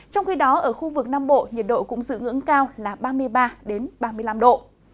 trong khi đó ở khu vực nam bộ nhiệt độ cũng giữ ngưỡng cao là ba mươi ba ba mươi năm độ